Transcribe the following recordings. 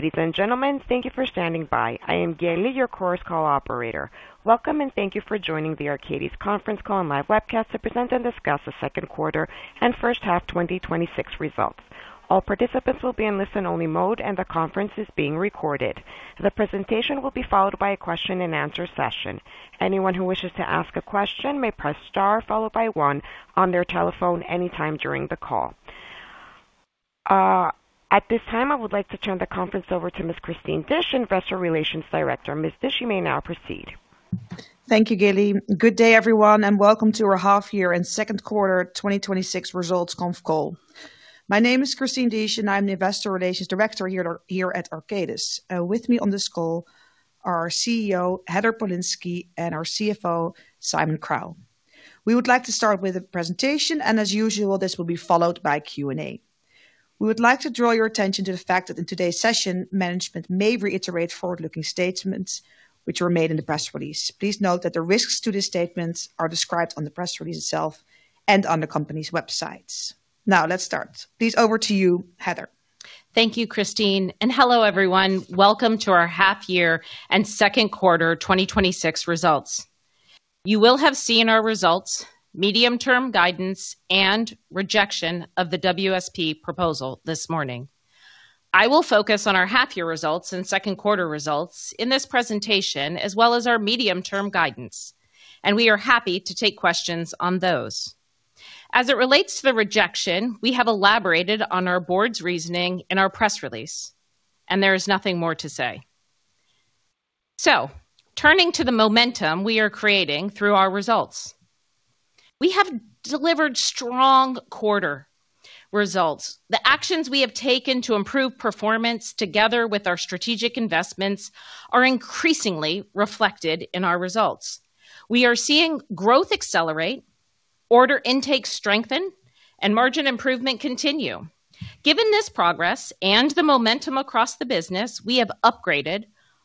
Ladies and gentlemen, thank you for standing by. I am Geli, your Chorus Call operator. Welcome, and thank you for joining the Arcadis conference call and live webcast to present and discuss the second quarter and first half 2026 results. All participants will be in listen-only mode, and the conference is being recorded. The presentation will be followed by a question and answer session. Anyone who wishes to ask a question may press star, followed by one on their telephone anytime during the call. At this time, I would like to turn the conference over to Ms. Christine Disch, Investor Relations Director. Ms. Disch, you may now proceed. Thank you, Geli. Good day, everyone, and welcome to our half year and second quarter 2026 results conference call. My name is Christine Disch, and I'm the Investor Relations Director here at Arcadis. With me on this call are CEO Heather Polinsky and our CFO Simon Crowe. We would like to start with a presentation, and as usual, this will be followed by Q&A. We would like to draw your attention to the fact that in today's session, management may reiterate forward-looking statements which were made in the press release. Please note that the risks to these statements are described on the press release itself and on the company's websites. Let's start. Please, over to you, Heather. Thank you, Christine. Hello, everyone. Welcome to our half year and second quarter 2026 results. You will have seen our results, medium-term guidance, and rejection of the WSP proposal this morning. I will focus on our half year results and second quarter results in this presentation, as well as our medium-term guidance. We are happy to take questions on those. As it relates to the rejection, we have elaborated on our board's reasoning in our press release. There is nothing more to say. Turning to the momentum we are creating through our results. We have delivered strong quarter results. The actions we have taken to improve performance, together with our strategic investments, are increasingly reflected in our results. We are seeing growth accelerate, order intake strengthen, and margin improvement continue. Given this progress and the momentum across the business, we have upgraded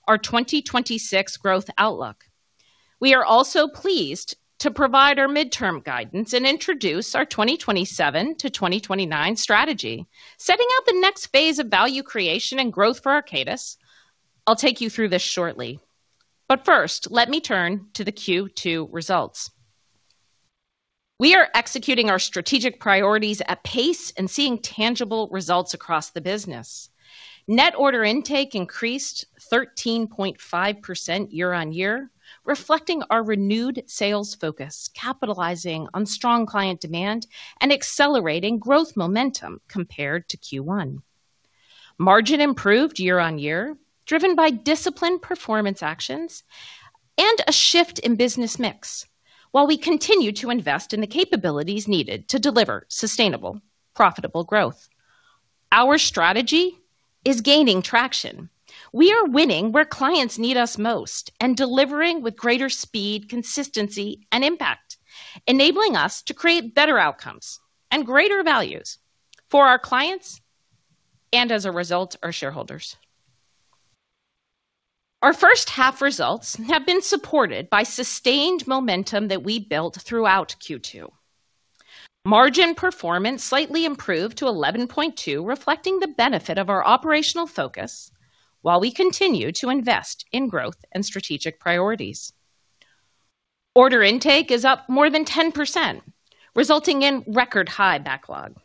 our 2026 growth outlook. We are also pleased to provide our midterm guidance and introduce our 2027-2029 strategy, setting out the next phase of value creation and growth for Arcadis. I'll take you through this shortly. First, let me turn to the Q2 results. We are executing our strategic priorities at pace and seeing tangible results across the business. Net order intake increased 13.5% year-on-year, reflecting our renewed sales focus, capitalizing on strong client demand and accelerating growth momentum compared to Q1. Margin improved year-on-year, driven by disciplined performance actions and a shift in business mix, while we continue to invest in the capabilities needed to deliver sustainable, profitable growth. Our strategy is gaining traction. We are winning where clients need us most and delivering with greater speed, consistency, and impact, enabling us to create better outcomes and greater values for our clients, and as a result, our shareholders. Our first half results have been supported by sustained momentum that we built throughout Q2. Margin performance slightly improved to 11.2%, reflecting the benefit of our operational focus while we continue to invest in growth and strategic priorities. Order intake is up more than 10%, resulting in record high backlog.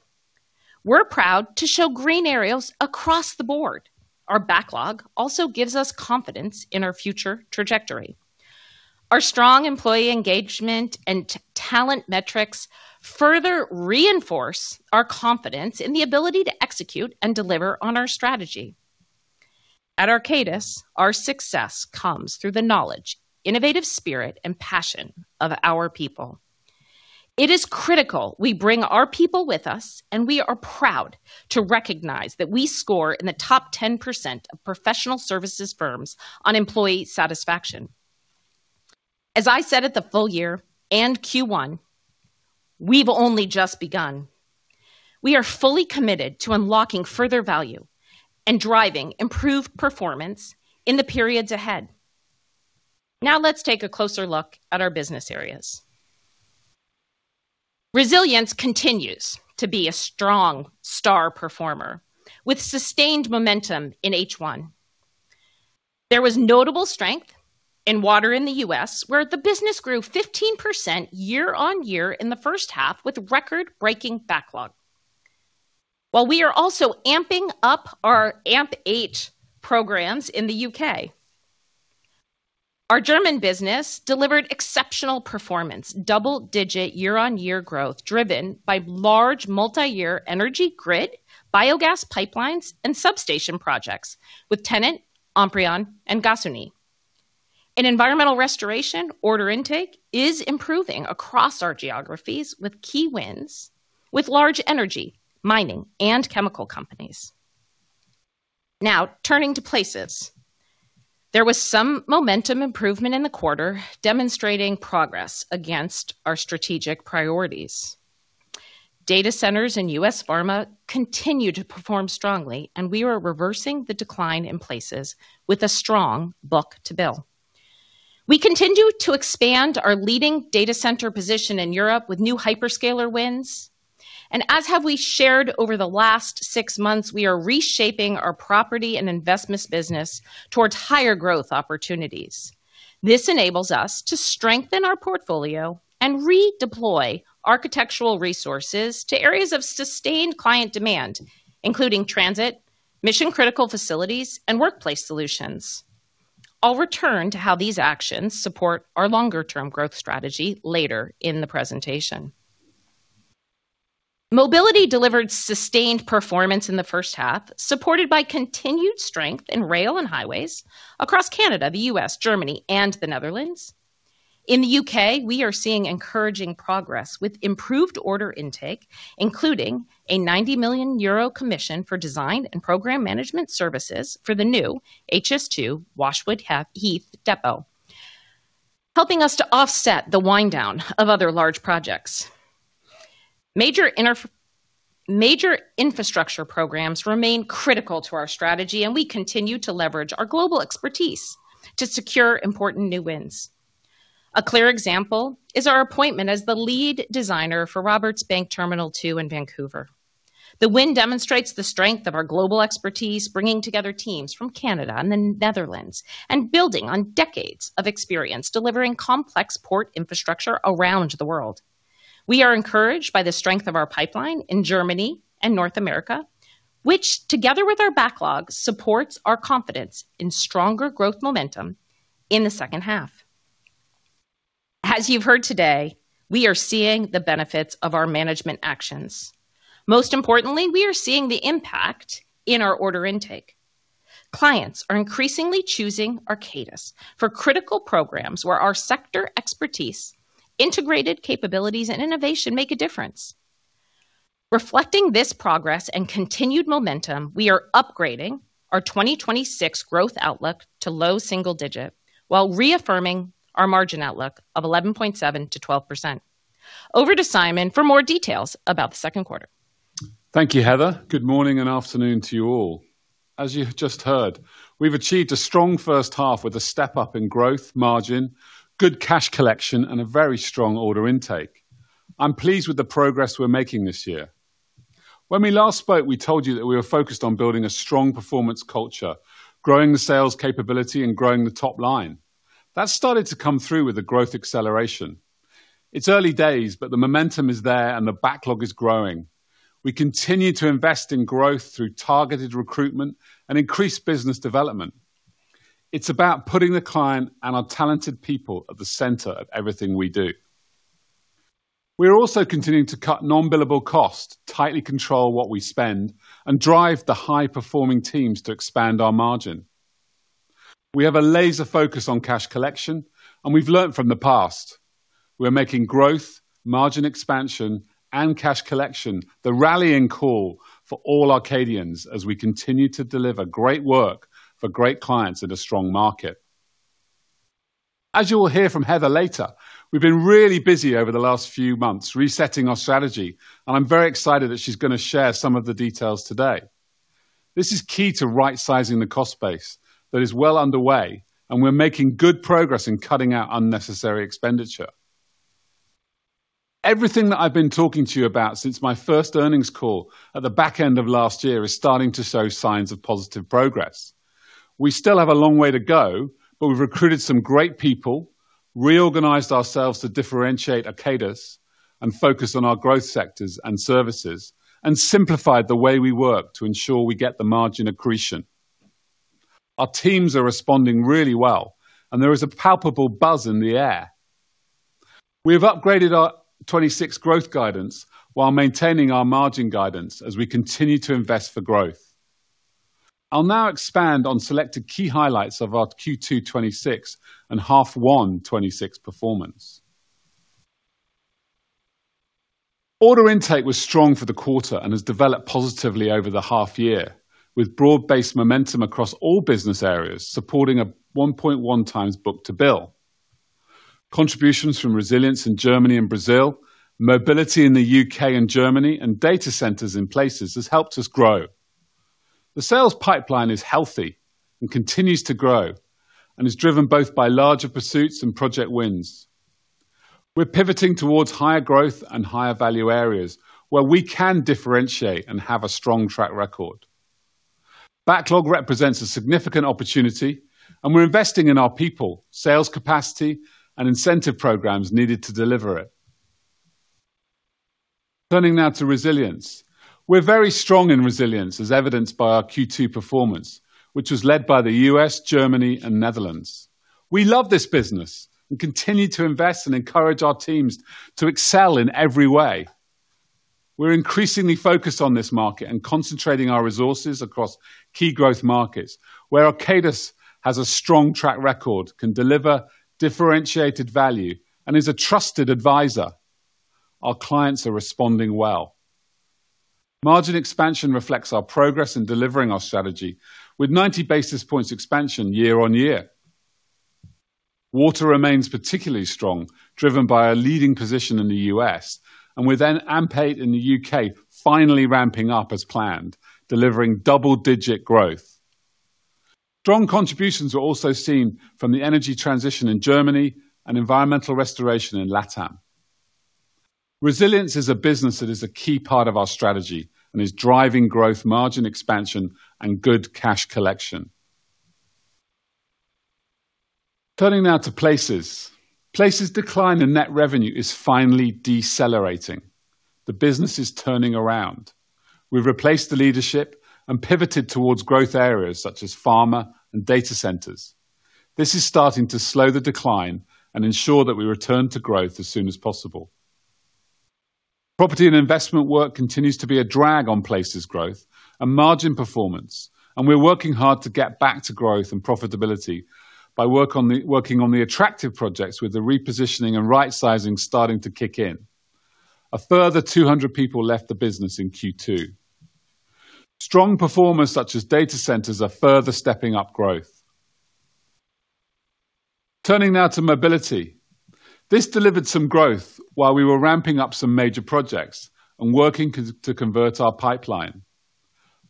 We're proud to show green areas across the board. Our backlog also gives us confidence in our future trajectory. Our strong employee engagement and talent metrics further reinforce our confidence in the ability to execute and deliver on our strategy. At Arcadis, our success comes through the knowledge, innovative spirit, and passion of our people. It is critical we bring our people with us. We are proud to recognize that we score in the top 10% of professional services firms on employee satisfaction. As I said at the full year and Q1, we've only just begun. We are fully committed to unlocking further value and driving improved performance in the periods ahead. Now let's take a closer look at our business areas. Resilience continues to be a strong star performer with sustained momentum in H1. There was notable strength in water in the U.S., where the business grew 15% year-on-year in the first half, with record-breaking backlog. While we are also amping up our AMP8 programs in the U.K. Our German business delivered exceptional performance, double-digit year-on-year growth driven by large multi-year energy grid, biogas pipelines, and substation projects with TenneT, Amprion, and Gasunie. In environmental restoration, order intake is improving across our geographies with key wins with large energy, mining, and chemical companies. Now turning to Places. There was some momentum improvement in the quarter demonstrating progress against our strategic priorities. Data centers and U.S. pharma continue to perform strongly. We are reversing the decline in Places with a strong book-to-bill. We continue to expand our leading data center position in Europe with new hyperscaler wins. As have we shared over the last six months, we are reshaping our property and investments business towards higher growth opportunities. This enables us to strengthen our portfolio and redeploy architectural resources to areas of sustained client demand, including transit, mission-critical facilities, and workplace solutions. I'll return to how these actions support our longer-term growth strategy later in the presentation. Mobility delivered sustained performance in the first half, supported by continued strength in rail and highways across Canada, the U.S., Germany, and the Netherlands. In the U.K., we are seeing encouraging progress with improved order intake, including a 90 million euro commission for design and program management services for the new HS2 Washwood Heath Depot, helping us to offset the wind down of other large projects. Major infrastructure programs remain critical to our strategy. We continue to leverage our global expertise to secure important new wins. A clear example is our appointment as the lead designer for Roberts Bank Terminal 2 in Vancouver. The win demonstrates the strength of our global expertise, bringing together teams from Canada and the Netherlands, and building on decades of experience delivering complex port infrastructure around the world. We are encouraged by the strength of our pipeline in Germany and North America, which, together with our backlog, supports our confidence in stronger growth momentum in the second half. As you've heard today, we are seeing the benefits of our management actions. Most importantly, we are seeing the impact in our order intake. Clients are increasingly choosing Arcadis for critical programs where our sector expertise, integrated capabilities, and innovation make a difference. Reflecting this progress and continued momentum, we are upgrading our 2026 growth outlook to low double digit, while reaffirming our margin outlook of 11.7%-12%. Over to Simon for more details about the second quarter. Thank you, Heather. Good morning and afternoon to you all. As you have just heard, we've achieved a strong first half with a step up in growth margin, good cash collection, and a very strong order intake. I'm pleased with the progress we're making this year. When we last spoke, we told you that we were focused on building a strong performance culture, growing the sales capability and growing the top line. That started to come through with the growth acceleration. It's early days, but the momentum is there and the backlog is growing. We continue to invest in growth through targeted recruitment and increased business development. It's about putting the client and our talented people at the center of everything we do. We are also continuing to cut non-billable cost, tightly control what we spend, and drive the high-performing teams to expand our margin. We have a laser focus on cash collection. We've learned from the past. We are making growth, margin expansion, and cash collection the rallying call for all Arcadians as we continue to deliver great work for great clients in a strong market. As you will hear from Heather later, we've been really busy over the last few months resetting our strategy. I'm very excited that she's going to share some of the details today. This is key to right-sizing the cost base that is well underway. We're making good progress in cutting out unnecessary expenditure. Everything that I've been talking to you about since my first earnings call at the back end of last year is starting to show signs of positive progress. We still have a long way to go. We've recruited some great people, reorganized ourselves to differentiate Arcadis, focused on our growth sectors and services, and simplified the way we work to ensure we get the margin accretion. Our teams are responding really well. There is a palpable buzz in the air. We have upgraded our 2026 growth guidance while maintaining our margin guidance as we continue to invest for growth. I'll now expand on selected key highlights of our Q2 2026 and half one 2026 performance. Order intake was strong for the quarter and has developed positively over the half year, with broad-based momentum across all business areas, supporting a 1.1x book-to-bill. Contributions from Resilience in Germany and Brazil, Mobility in the U.K. and Germany, and data centers in Places has helped us grow. The sales pipeline is healthy and continues to grow and is driven both by larger pursuits and project wins. We're pivoting towards higher growth and higher value areas where we can differentiate and have a strong track record. Backlog represents a significant opportunity, and we're investing in our people, sales capacity, and incentive programs needed to deliver it. Turning now to Resilience. We're very strong in Resilience, as evidenced by our Q2 performance, which was led by the U.S., Germany, and Netherlands. We love this business and continue to invest and encourage our teams to excel in every way. We're increasingly focused on this market and concentrating our resources across key growth markets where Arcadis has a strong track record, can deliver differentiated value, and is a trusted advisor. Our clients are responding well. Margin expansion reflects our progress in delivering our strategy with 90 basis points expansion year-on-year. Water remains particularly strong, driven by our leading position in the U.S., and with AMP8 in the U.K. finally ramping up as planned, delivering double-digit growth. Strong contributions were also seen from the energy transition in Germany and environmental restoration in LATAM. Resilience is a business that is a key part of our strategy and is driving growth, margin expansion, and good cash collection. Turning now to Places. Places decline and net revenue is finally decelerating. The business is turning around. We've replaced the leadership and pivoted towards growth areas such as pharma and data centers. This is starting to slow the decline and ensure that we return to growth as soon as possible. Property and investment work continues to be a drag on Places growth and margin performance. We're working hard to get back to growth and profitability by working on the attractive projects with the repositioning and rightsizing starting to kick in. A further 200 people left the business in Q2. Strong performers such as data centers are further stepping up growth. Turning now to Mobility. This delivered some growth while we were ramping up some major projects and working to convert our pipeline.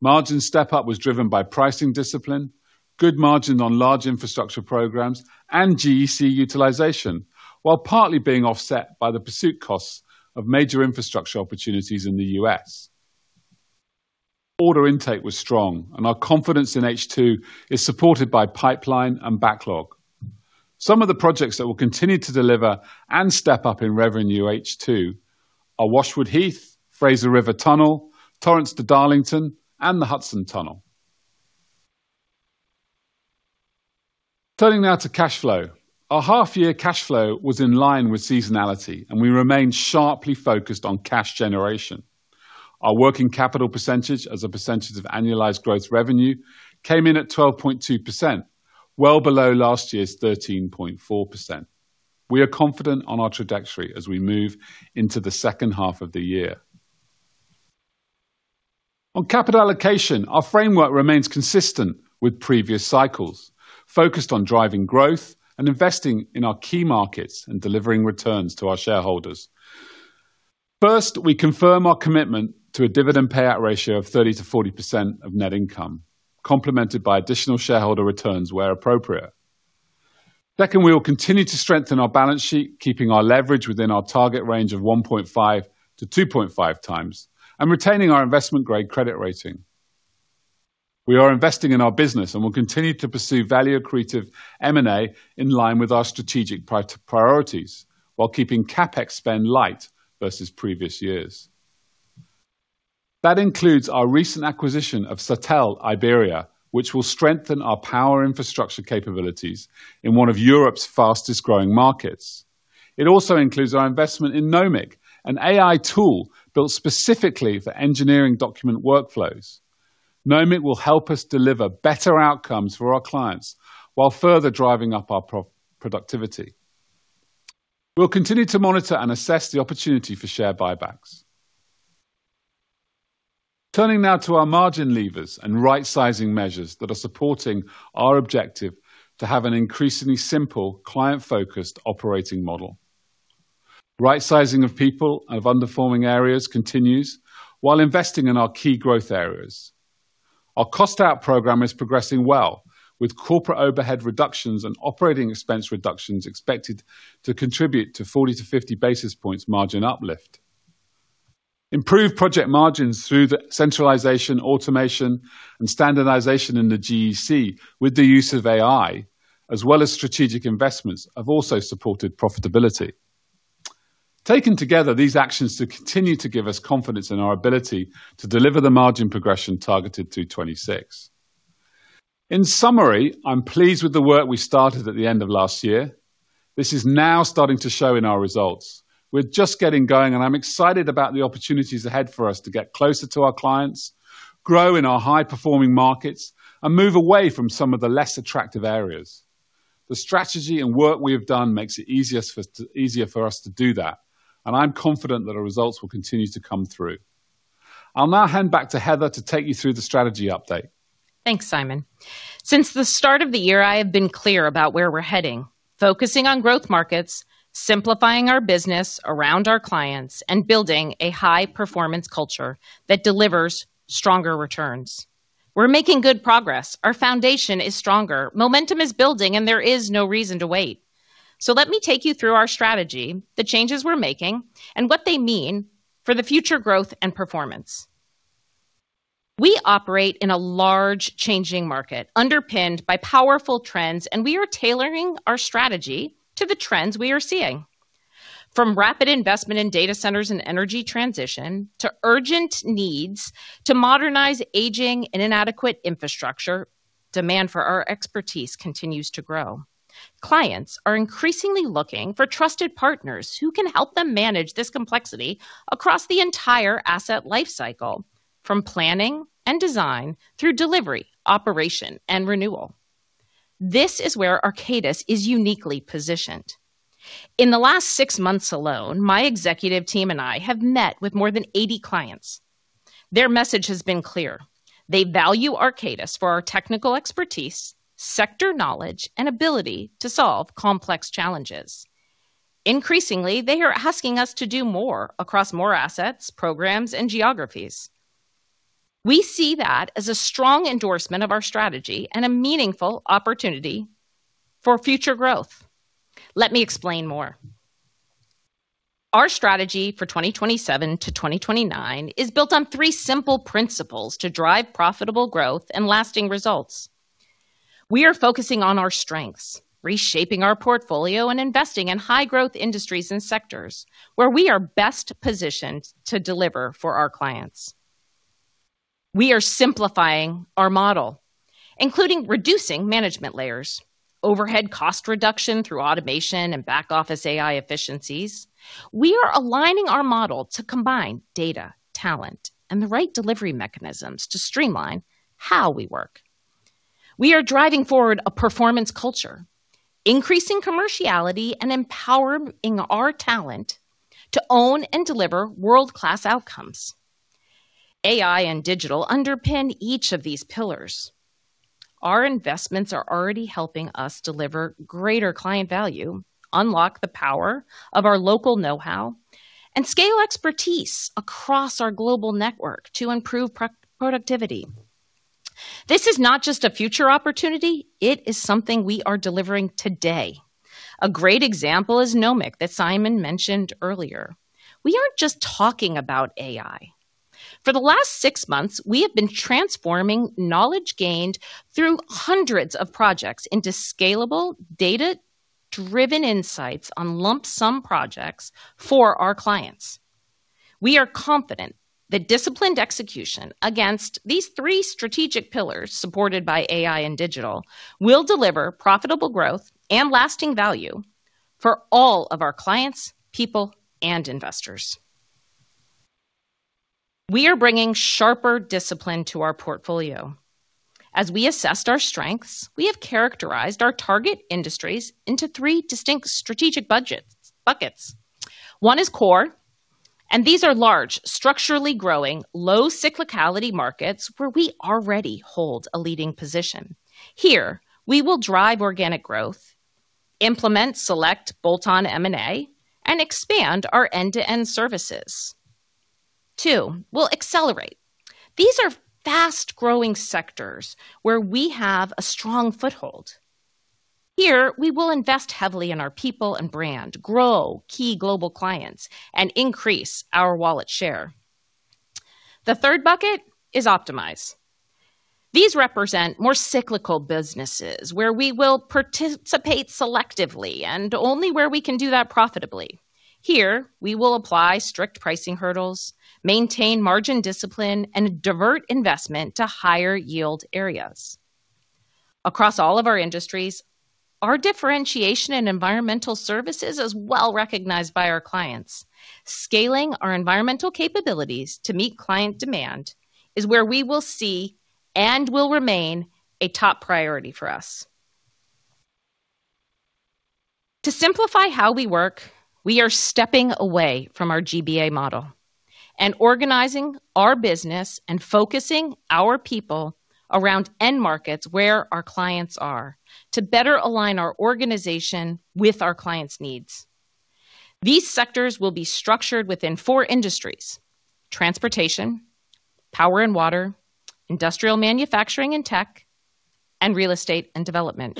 Margin step-up was driven by pricing discipline, good margin on large infrastructure programs, and GEC utilization, while partly being offset by the pursuit costs of major infrastructure opportunities in the U.S. Order intake was strong, and our confidence in H2 is supported by pipeline and backlog. Some of the projects that will continue to deliver and step up in revenue H2 are Washwood Heath, Fraser River Tunnel, Torrens to Darlington, and the Hudson Tunnel. Turning now to cash flow. Our half-year cash flow was in line with seasonality, and we remain sharply focused on cash generation. Our working capital percentage as a percentage of annualized growth revenue came in at 12.2%, well below last year's 13.4%. We are confident on our trajectory as we move into the second half of the year. On capital allocation, our framework remains consistent with previous cycles, focused on driving growth and investing in our key markets and delivering returns to our shareholders. First, we confirm our commitment to a dividend payout ratio of 30%-40% of net income, complemented by additional shareholder returns where appropriate. Second, we will continue to strengthen our balance sheet, keeping our leverage within our target range of 1.5x-2.5x and retaining our investment-grade credit rating. We are investing in our business and will continue to pursue value-accretive M&A in line with our strategic priorities while keeping CapEx spend light versus previous years. That includes our recent acquisition of SATEL Iberia, which will strengthen our power infrastructure capabilities in one of Europe's fastest-growing markets. It also includes our investment in Nomic, an AI tool built specifically for engineering document workflows. Nomic will help us deliver better outcomes for our clients while further driving up our productivity. We'll continue to monitor and assess the opportunity for share buybacks. Turning now to our margin levers and rightsizing measures that are supporting our objective to have an increasingly simple, client-focused operating model. Rightsizing of people of underperforming areas continues while investing in our key growth areas. Our cost-out program is progressing well, with corporate overhead reductions and operating expense reductions expected to contribute to 40 basis points-50 basis points margin uplift. Improved project margins through the centralization, automation, and standardization in the GEC with the use of AI, as well as strategic investments, have also supported profitability. Taken together, these actions continue to give us confidence in our ability to deliver the margin progression targeted to 2026. In summary, I'm pleased with the work we started at the end of last year. This is now starting to show in our results. We're just getting going. I'm excited about the opportunities ahead for us to get closer to our clients, grow in our high-performing markets, and move away from some of the less attractive areas. The strategy and work we have done makes it easier for us to do that. I'm confident that the results will continue to come through. I'll now hand back to Heather to take you through the strategy update. Thanks, Simon. Since the start of the year, I have been clear about where we're heading, focusing on growth markets, simplifying our business around our clients, and building a high-performance culture that delivers stronger returns. We're making good progress. Our foundation is stronger. Momentum is building. There is no reason to wait. Let me take you through our strategy, the changes we're making, and what they mean for the future growth and performance. We operate in a large, changing market underpinned by powerful trends. We are tailoring our strategy to the trends we are seeing. From rapid investment in data centers and energy transition, to urgent needs to modernize aging inadequate infrastructure, demand for our expertise continues to grow. Clients are increasingly looking for trusted partners who can help them manage this complexity across the entire asset lifecycle, from planning and design through delivery, operation, and renewal. This is where Arcadis is uniquely positioned. In the last six months alone, my executive team and I have met with more than 80 clients. Their message has been clear. They value Arcadis for our technical expertise, sector knowledge, and ability to solve complex challenges. Increasingly, they are asking us to do more across more assets, programs, and geographies. We see that as a strong endorsement of our strategy and a meaningful opportunity for future growth. Let me explain more. Our strategy for 2027 to 2029 is built on three simple principles to drive profitable growth and lasting results. We are focusing on our strengths, reshaping our portfolio, and investing in high-growth industries and sectors where we are best positioned to deliver for our clients. We are simplifying our model, including reducing management layers, overhead cost reduction through automation and back office AI efficiencies. We are aligning our model to combine data, talent, and the right delivery mechanisms to streamline how we work. We are driving forward a performance culture, increasing commerciality, and empowering our talent to own and deliver world-class outcomes. AI and digital underpin each of these pillars. Our investments are already helping us deliver greater client value, unlock the power of our local know-how, and scale expertise across our global network to improve productivity. This is not just a future opportunity, it is something we are delivering today. A great example is Nomic that Simon mentioned earlier. We are not just talking about AI. For the last six months, we have been transforming knowledge gained through hundreds of projects into scalable, data-driven insights on lump sum projects for our clients. We are confident that disciplined execution against these three strategic pillars, supported by AI and digital, will deliver profitable growth and lasting value for all of our clients, people, and investors. We are bringing sharper discipline to our portfolio. As we assessed our strengths, we have characterized our target industries into three distinct strategic buckets. One is core, and these are large, structurally growing, low cyclicality markets where we already hold a leading position. Here, we will drive organic growth, implement select bolt-on M&A, and expand our end-to-end services. Two, we will accelerate. These are fast-growing sectors where we have a strong foothold. Here, we will invest heavily in our people and brand, grow key global clients, and increase our wallet share. The third bucket is optimize. These represent more cyclical businesses, where we will participate selectively and only where we can do that profitably. Here, we will apply strict pricing hurdles, maintain margin discipline, and divert investment to higher yield areas. Across all of our industries, our differentiation in environmental services is well recognized by our clients. Scaling our environmental capabilities to meet client demand is where we will see and will remain a top priority for us. To simplify how we work, we are stepping away from our GBA model and organizing our business and focusing our people around end markets where our clients are to better align our organization with our clients' needs. These sectors will be structured within four industries: transportation, power and water, industrial manufacturing and tech, and real estate and development.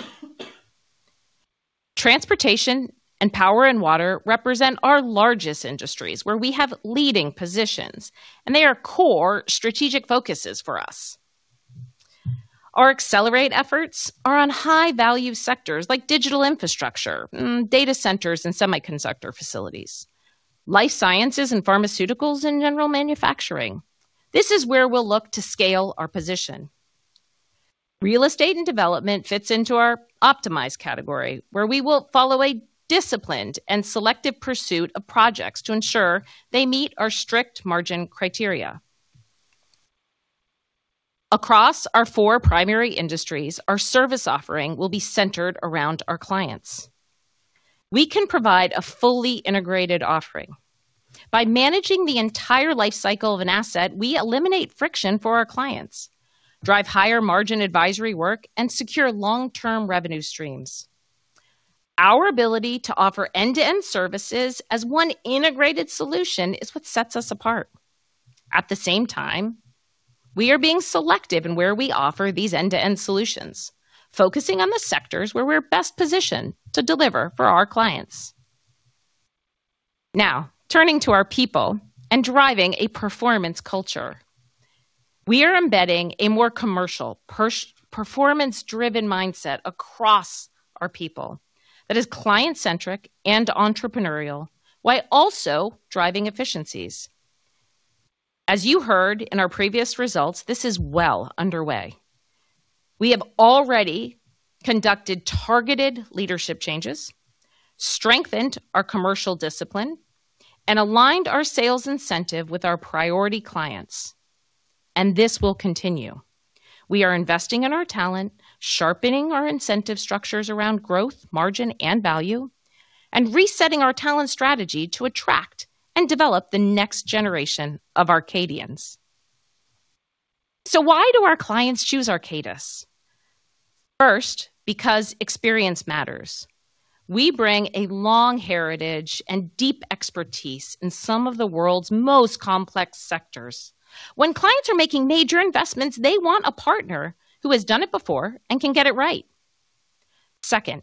Transportation and power and water represent our largest industries, where we have leading positions, and they are core strategic focuses for us. Our accelerate efforts are on high-value sectors like digital infrastructure, data centers and semiconductor facilities, life sciences and pharmaceuticals, and general manufacturing. This is where we'll look to scale our position. Real estate and development fits into our optimize category, where we will follow a disciplined and selective pursuit of projects to ensure they meet our strict margin criteria. Across our four primary industries, our service offering will be centered around our clients. We can provide a fully integrated offering. By managing the entire life cycle of an asset, we eliminate friction for our clients, drive higher margin advisory work, and secure long-term revenue streams. Our ability to offer end-to-end services as one integrated solution is what sets us apart. At the same time, we are being selective in where we offer these end-to-end solutions, focusing on the sectors where we're best positioned to deliver for our clients. Turning to our people and driving a performance culture. We are embedding a more commercial, performance-driven mindset across our people that is client-centric and entrepreneurial, while also driving efficiencies. As you heard in our previous results, this is well underway. We have already conducted targeted leadership changes, strengthened our commercial discipline, and aligned our sales incentive with our priority clients, and this will continue. We are investing in our talent, sharpening our incentive structures around growth, margin, and value, and resetting our talent strategy to attract and develop the next generation of Arcadians. Why do our clients choose Arcadis? First, because experience matters. We bring a long heritage and deep expertise in some of the world's most complex sectors. When clients are making major investments, they want a partner who has done it before and can get it right. Second,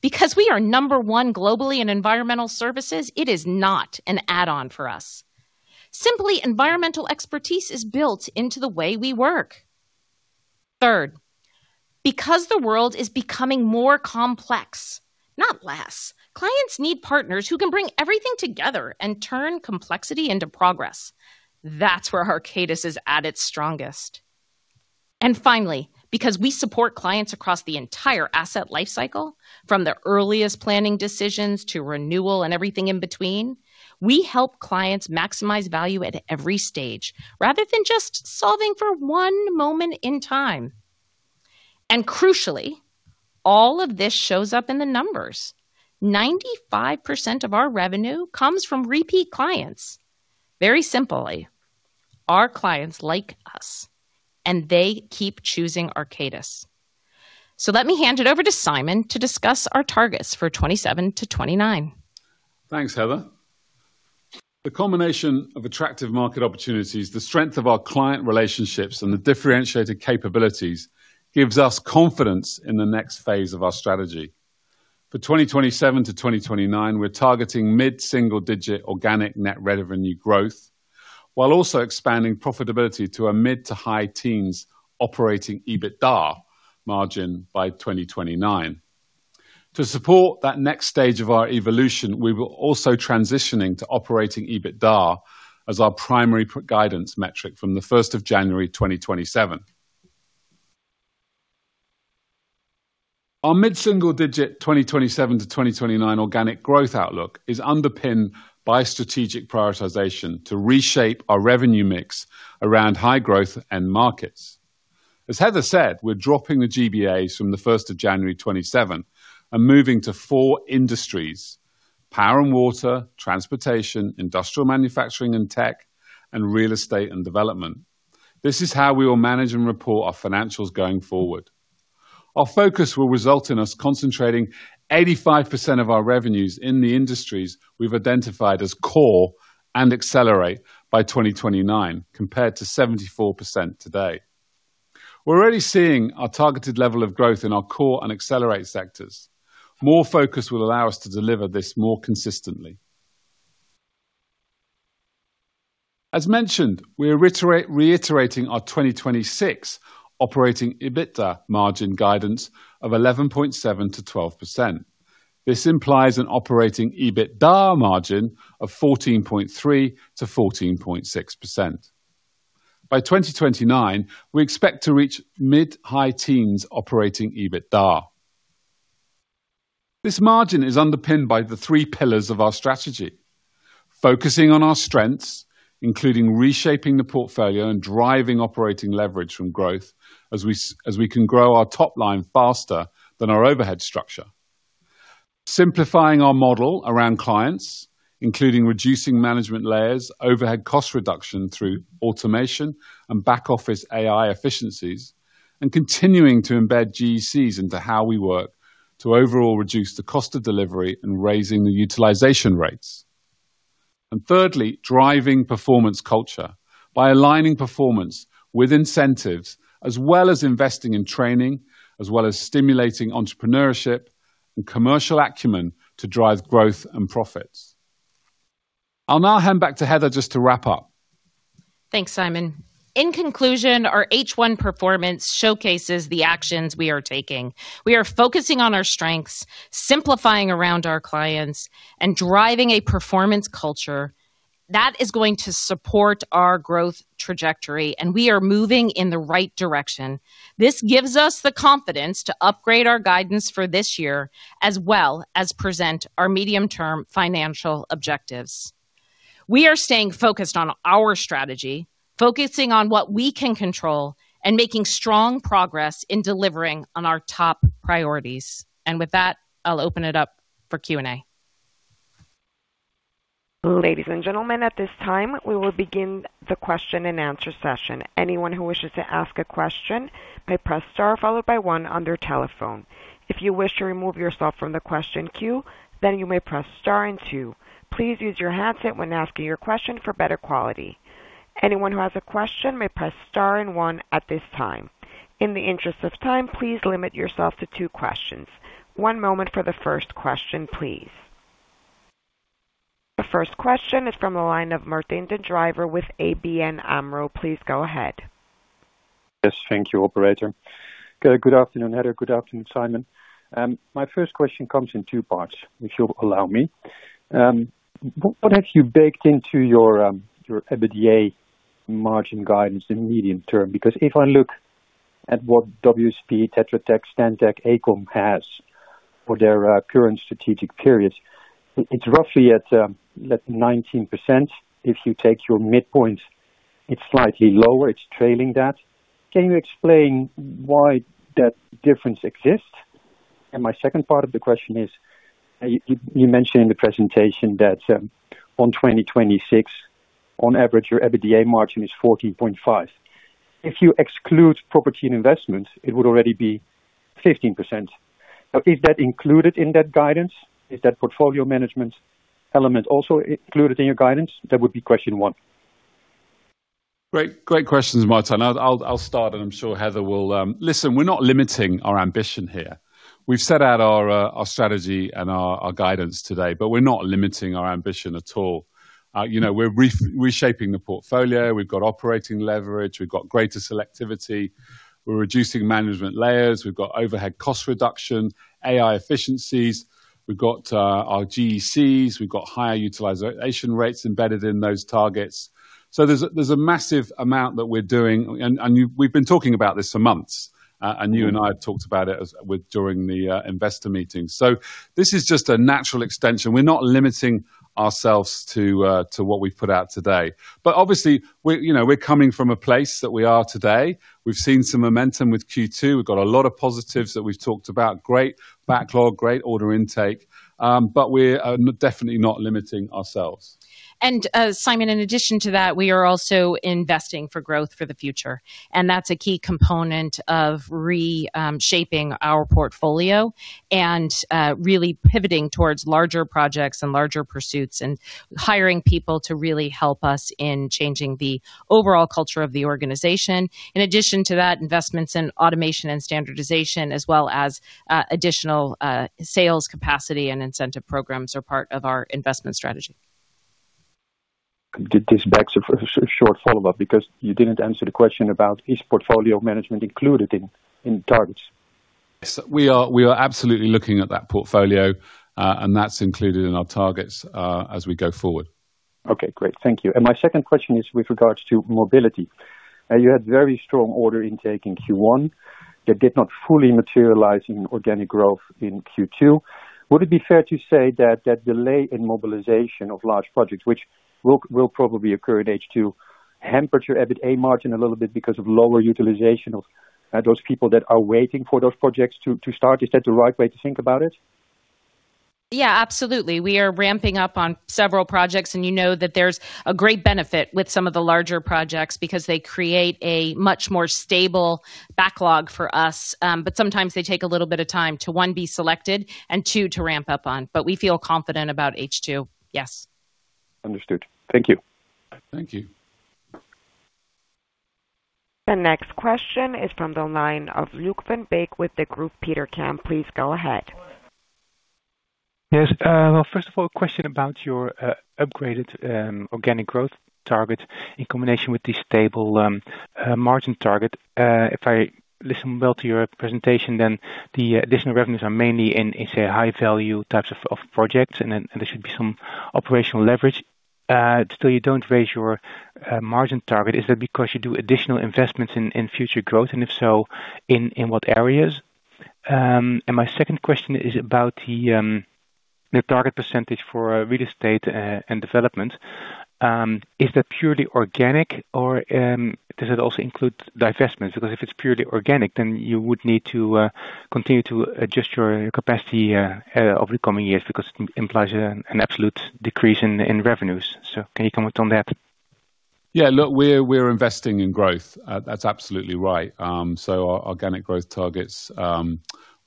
because we are number one globally in environmental services, it is not an add-on for us. Simply, environmental expertise is built into the way we work. Third, because the world is becoming more complex, not less, clients need partners who can bring everything together and turn complexity into progress. That's where Arcadis is at its strongest. Finally, because we support clients across the entire asset life cycle, from the earliest planning decisions to renewal and everything in between, we help clients maximize value at every stage rather than just solving for one moment in time. Crucially, all of this shows up in the numbers. 95% of our revenue comes from repeat clients. Very simply, our clients like us, and they keep choosing Arcadis. Let me hand it over to Simon to discuss our targets for 2027 to 2029. Thanks, Heather. The combination of attractive market opportunities, the strength of our client relationships, and the differentiated capabilities gives us confidence in the next phase of our strategy. For 2027 to 2029, we're targeting mid-single-digit organic net revenue growth while also expanding profitability to a mid to high teens operating EBITDA margin by 2029. To support that next stage of our evolution, we will also transitioning to operating EBITDA as our primary guidance metric from the 1st of January 2027. Our mid-single-digit 2027 to 2029 organic growth outlook is underpinned by strategic prioritization to reshape our revenue mix around high growth end markets. As Heather said, we're dropping the GBAs from the 1st of January 2027 and moving to four industries: power and water, transportation, industrial manufacturing and tech, and real estate and development. This is how we will manage and report our financials going forward. Our focus will result in us concentrating 85% of our revenues in the industries we've identified as core and accelerate by 2029, compared to 74% today. We're already seeing our targeted level of growth in our core and accelerate sectors. More focus will allow us to deliver this more consistently. As mentioned, we are reiterating our 2026 operating EBITA margin guidance of 11.7%-12%. This implies an operating EBITDA margin of 14.3%-14.6%. By 2029, we expect to reach mid high teens operating EBITDA. This margin is underpinned by the three pillars of our strategy: focusing on our strengths, including reshaping the portfolio and driving operating leverage from growth as we can grow our top line faster than our overhead structure. Simplifying our model around clients, including reducing management layers, overhead cost reduction through automation and back office AI efficiencies, continuing to embed GECs into how we work to overall reduce the cost of delivery and raising the utilization rates. Thirdly, driving performance culture by aligning performance with incentives, as well as investing in training, as well as stimulating entrepreneurship and commercial acumen to drive growth and profits. I'll now hand back to Heather just to wrap up. Thanks, Simon. In conclusion, our H1 performance showcases the actions we are taking. We are focusing on our strengths, simplifying around our clients, and driving a performance culture that is going to support our growth trajectory, and we are moving in the right direction. This gives us the confidence to upgrade our guidance for this year, as well as present our medium-term financial objectives. We are staying focused on our strategy, focusing on what we can control, and making strong progress in delivering on our top priorities. With that, I'll open it up for Q&A. Ladies and gentlemen, at this time, we will begin the question-and-answer session. Anyone who wishes to ask a question may press star followed by one on their telephone. If you wish to remove yourself from the question queue, then you may press star and two. Please use your handset when asking your question for better quality. In the interest of time, please limit yourself to two questions. One moment for the first question, please. The first question is from the line of Martijn den Drijver with ABN AMRO. Please go ahead. Yes, thank you, operator. Good afternoon, Heather. Good afternoon, Simon. My first question comes in two parts, if you'll allow me. What have you baked into your EBITDA margin guidance in medium term? Because if I look at what WSP, Tetra Tech, Stantec, AECOM has for their current strategic periods, it's roughly at 19%. If you take your midpoint, it's slightly lower, it's trailing that. Can you explain why that difference exists? My second part of the question is, you mentioned in the presentation that on 2026, on average, your EBITDA margin is 14.5. If you exclude property and investments, it would already be 15%. Is that included in that guidance? Is that portfolio management element also included in your guidance? That would be question one. Great questions, Martijn. I'll start, and I'm sure Heather will Listen, we're not limiting our ambition here. We've set out our strategy and our guidance today, we're not limiting our ambition at all. We're reshaping the portfolio. We've got operating leverage. We've got greater selectivity. We're reducing management layers. We've got overhead cost reduction, AI efficiencies. We've got our GECs. We've got higher utilization rates embedded in those targets. There's a massive amount that we're doing, and we've been talking about this for months. You and I have talked about it during the investor meeting. This is just a natural extension. We're not limiting ourselves to what we've put out today. Obviously, we're coming from a place that we are today. We've seen some momentum with Q2. We've got a lot of positives that we've talked about, great backlog, great order intake. We're definitely not limiting ourselves. Simon, in addition to that, we are also investing for growth for the future, and that's a key component of reshaping our portfolio and really pivoting towards larger projects and larger pursuits and hiring people to really help us in changing the overall culture of the organization. In addition to that, investments in automation and standardization, as well as additional sales capacity and incentive programs are part of our investment strategy. This begs a short follow-up because you didn't answer the question about, is portfolio management included in the targets? We are absolutely looking at that portfolio, and that's included in our targets as we go forward. Okay, great. Thank you. My second question is with regards to Mobility. You had very strong order intake in Q1 that did not fully materialize in organic growth in Q2. Would it be fair to say that that delay in mobilization of large projects, which will probably occur in H2, hampered your EBITDA margin a little bit because of lower utilization of those people that are waiting for those projects to start? Is that the right way to think about it? Absolutely. We are ramping up on several projects, and you know that there's a great benefit with some of the larger projects because they create a much more stable backlog for us. Sometimes they take a little bit of time to, one, be selected and two, to ramp up on. We feel confident about H2. Yes. Understood. Thank you. Thank you. The next question is from the line of Luuk van Beek with Degroof Petercam. Please go ahead. Yes. Well, first of all, a question about your upgraded organic growth target in combination with the stable margin target. If I listen well to your presentation, then the additional revenues are mainly in, say, high-value types of projects, and there should be some operational leverage. Still, you don't raise your margin target. Is that because you do additional investments in future growth, and if so, in what areas? My second question is about the target percentage for real estate and development. Is that purely organic or does it also include divestments? Because if it's purely organic, then you would need to continue to adjust your capacity over the coming years because it implies an absolute decrease in revenues. Can you comment on that? Yeah, look, we're investing in growth. That's absolutely right. Our organic growth targets,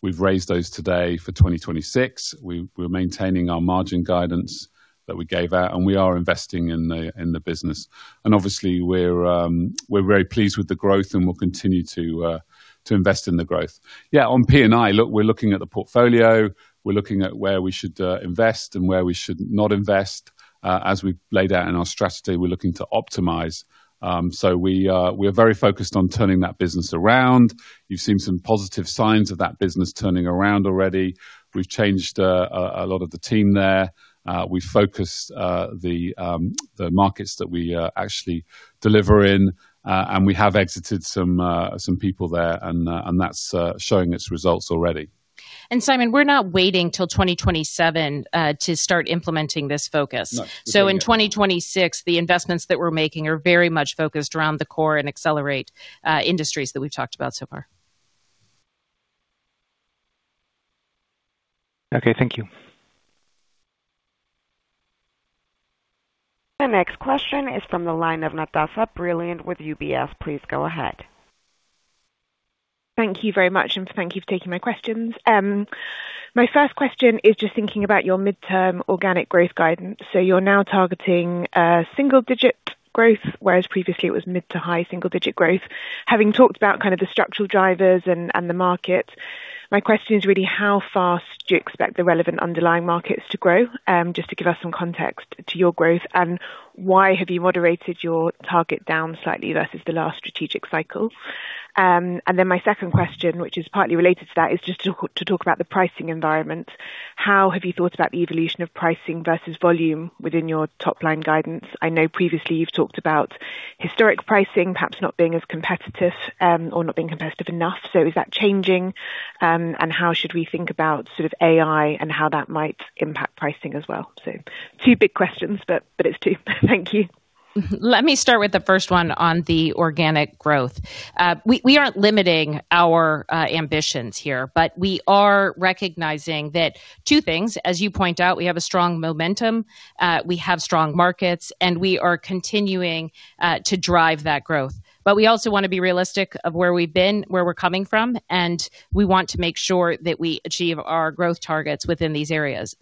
we've raised those today for 2026. We're maintaining our margin guidance that we gave out, and we are investing in the business. Obviously, we're very pleased with the growth, and we'll continue to invest in the growth. Yeah, on P&I, look, we're looking at the portfolio. We're looking at where we should invest and where we should not invest. As we've laid out in our strategy, we're looking to optimize. We are very focused on turning that business around. You've seen some positive signs of that business turning around already. We've changed a lot of the team there. We focused the markets that we actually deliver in, and we have exited some people there, and that's showing its results already. Simon, we're not waiting till 2027 to start implementing this focus. In 2026, the investments that we're making are very much focused around the core and accelerate industries that we've talked about so far. Okay. Thank you. The next question is from the line of Natasha Brilliant with UBS. Please go ahead. Thank you very much, and thank you for taking my questions. My first question is just thinking about your midterm organic growth guidance. You're now targeting single-digit growth, whereas previously it was mid to high single-digit growth. Having talked about kind of the structural drivers and the market, my question is really how fast do you expect the relevant underlying markets to grow? Just to give us some context to your growth, and why have you moderated your target down slightly versus the last strategic cycle? My second question, which is partly related to that, is just to talk about the pricing environment. How have you thought about the evolution of pricing versus volume within your top-line guidance? I know previously you've talked about historic pricing, perhaps not being as competitive or not being competitive enough. Is that changing? How should we think about sort of AI and how that might impact pricing as well? Two big questions, but it's two. Thank you. Let me start with the first one on the organic growth. We aren't limiting our ambitions here, we are recognizing that two things, as you point out, we have a strong momentum, we have strong markets, we are continuing to drive that growth. We also want to be realistic of where we've been, where we're coming from, we want to make sure that we achieve our growth targets within these areas.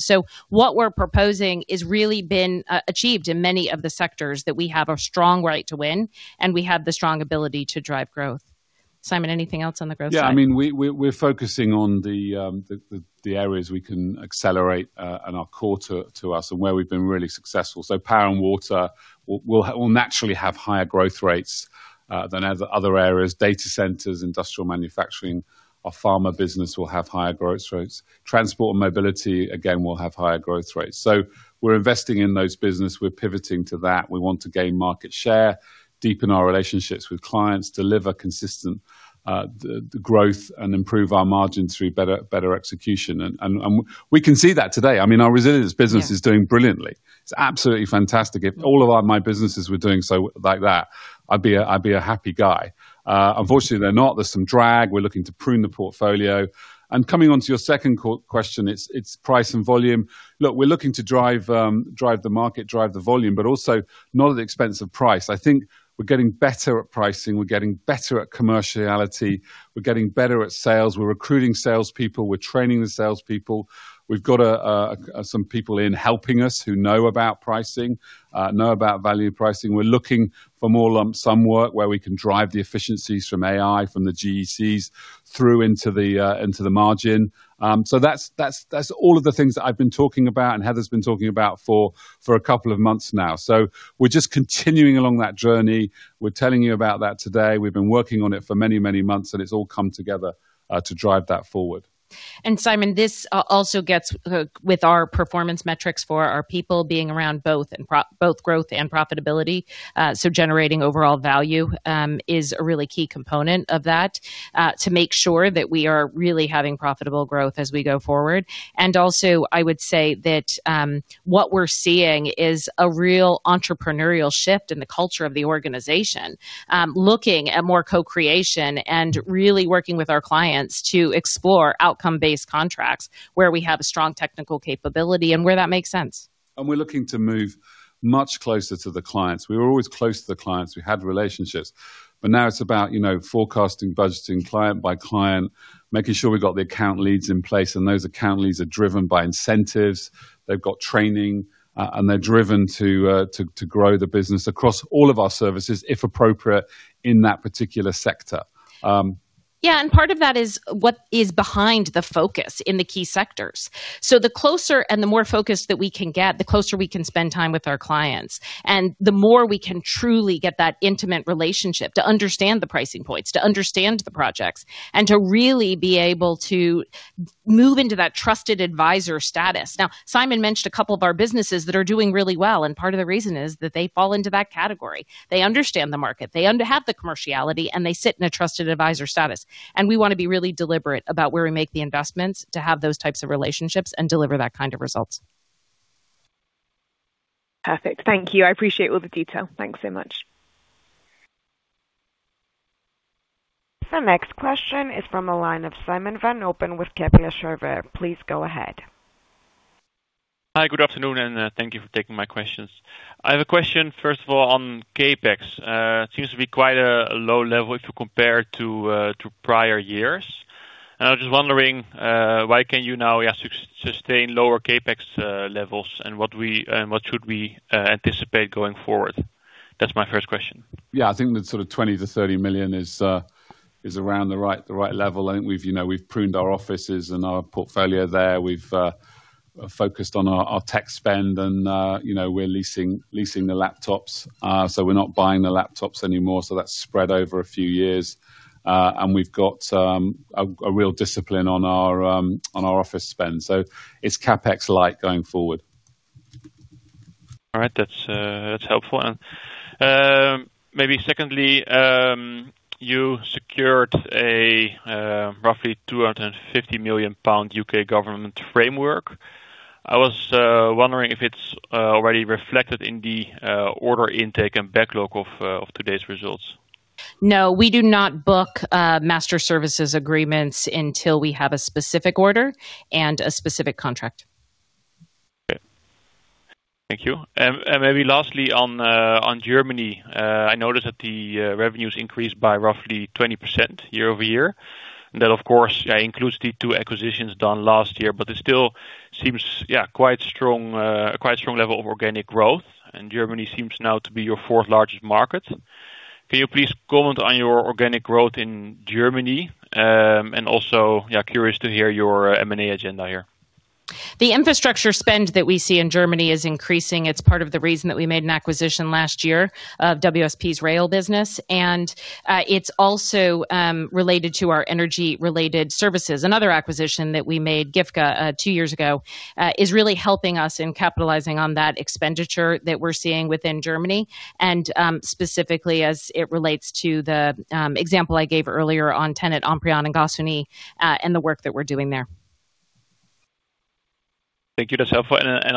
What we're proposing is really been achieved in many of the sectors that we have a strong right to win, we have the strong ability to drive growth. Simon, anything else on the growth side? Yeah, we're focusing on the areas we can accelerate and are core to us and where we've been really successful. Power and water will naturally have higher growth rates than other areas. Data centers, industrial manufacturing, our pharma business will have higher growth rates. Transport and Mobility, again, will have higher growth rates. We're investing in those businesses. We're pivoting to that. We want to gain market share, deepen our relationships with clients, deliver consistent growth, and improve our margins through better execution. We can see that today. Our Resilience business is doing brilliantly. It's absolutely fantastic. If all of my businesses were doing so like that, I'd be a happy guy. Unfortunately, they're not. There's some drag. We're looking to prune the portfolio. Coming onto your second question, it's price and volume. Look, we're looking to drive the market, drive the volume, but also not at the expense of price. I think we're getting better at pricing. We're getting better at commerciality. We're getting better at sales. We're recruiting salespeople. We're training the salespeople. We've got some people in helping us who know about pricing, know about value pricing. We're looking for more lump sum work where we can drive the efficiencies from AI, from the GECs through into the margin. That's all of the things that I've been talking about and Heather's been talking about for a couple of months now. We're just continuing along that journey. We're telling you about that today. We've been working on it for many, many months, it's all come together to drive that forward. Simon, this also gets with our performance metrics for our people being around both growth and profitability. Generating overall value is a really key component of that to make sure that we are really having profitable growth as we go forward. Also, I would say that what we're seeing is a real entrepreneurial shift in the culture of the organization, looking at more co-creation and really working with our clients to explore outcome-based contracts where we have a strong technical capability and where that makes sense. We're looking to move much closer to the clients. We were always close to the clients. We had relationships. Now it's about forecasting, budgeting client by client, making sure we got the account leads in place. Those account leads are driven by incentives. They've got training, and they're driven to grow the business across all of our services, if appropriate, in that particular sector. Yeah, part of that is what is behind the focus in the key sectors. The closer and the more focused that we can get, the closer we can spend time with our clients, the more we can truly get that intimate relationship to understand the pricing points, to understand the projects, and to really be able to move into that trusted advisor status. Simon mentioned a couple of our businesses that are doing really well. Part of the reason is that they fall into that category. They understand the market, they have the commerciality, and they sit in a trusted advisor status. We want to be really deliberate about where we make the investments to have those types of relationships and deliver that kind of results. Perfect. Thank you. I appreciate all the detail. Thanks so much. The next question is from the line of Simon van Oppen with Kepler Cheuvreux. Please go ahead. Hi, good afternoon, and thank you for taking my questions. I have a question, first of all, on CapEx. It seems to be quite a low level if you compare to prior years. I was just wondering why can you now sustain lower CapEx levels, and what should we anticipate going forward? That's my first question. Yeah, I think that sort of 20 million to 30 million is around the right level. I think we've pruned our offices and our portfolio there. We've focused on our tech spend, and we're leasing the laptops. We're not buying the laptops anymore. That's spread over a few years. We've got a real discipline on our office spend. It's CapEx light going forward. All right. That's helpful. Maybe secondly, you secured a roughly 250 million pound U.K. government framework. I was wondering if it's already reflected in the order intake and backlog of today's results. No, we do not book Master Service Agreements until we have a specific order and a specific contract. Okay. Thank you. Maybe lastly on Germany, I noticed that the revenues increased by roughly 20% year-over-year. That, of course, includes the two acquisitions done last year, but it still seems quite a strong level of organic growth. Germany seems now to be your fourth largest market. Can you please comment on your organic growth in Germany? Also, yeah, curious to hear your M&A agenda here. The infrastructure spend that we see in Germany is increasing. It's part of the reason that we made an acquisition last year of WSP's rail business, and it's also related to our energy-related services. Another acquisition that we made, Giftge, two years ago, is really helping us in capitalizing on that expenditure that we're seeing within Germany, and specifically as it relates to the example I gave earlier on TenneT, Amprion, and Gasunie, and the work that we're doing there. Thank you, Heather.